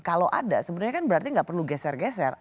kalau ada sebenarnya kan berarti nggak perlu geser geser